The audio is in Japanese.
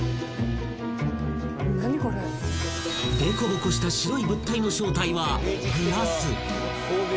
［でこぼこした白い物体の正体は］